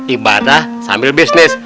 ibadah sambil bisnis